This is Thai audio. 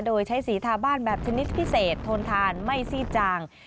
โดยใช้สีทาบ้านแบบชนิดพิเศษทนทานไม่ซีดจาง